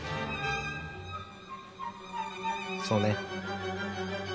そうね。